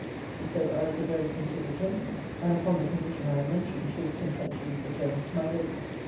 She said, I was a very considerate gentleman; and, upon the condition I had mentioned, she was content to leave the terms to my lady.